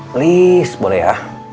please boleh ya